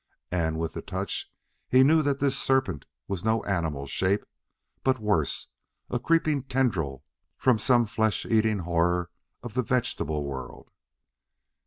And with the touch he knew that this serpent was no animal shape, but worse a creeping tendril from some flesh eating horror of the vegetable world.